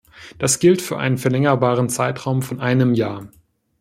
Das gilt für einen verlängerbaren Zeitraum von einem Jahr.